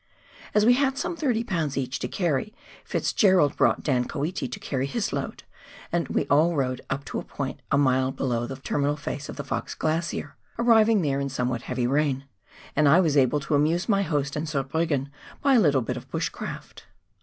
As we had some 30 lbs. each to carry, Fitzgerald brought Dan Koeti to carry his load, and we all rode up to a point a mile below the terminal face of the Fox Glacier, arriving there in somewhat heavy rain, and I was able to amuse my host and Zarbriggen by a little bit of " bush craft."